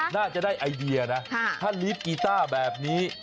น่าจะได้ไอเดียนะถ้าลีดกีต้าแบบนี้